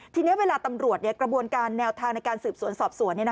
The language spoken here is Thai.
ทีนี้เวลาตำรวจกระบวนการแนวทางในการสืบสวนสอบสวน